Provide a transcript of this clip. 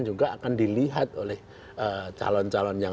juga akan dilihat oleh calon calon yang